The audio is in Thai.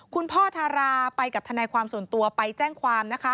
คุณพ่อทาราไปกับทนายความส่วนตัวไปแจ้งความนะคะ